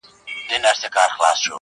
• درته خبره كوم.